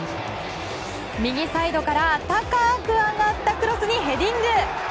右サイドから高く上がったクロスにヘディング！